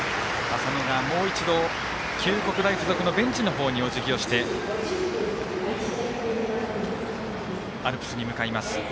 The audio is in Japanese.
浅野がもう一度九国大付属のベンチの方におじぎをしてアルプスに向かいます。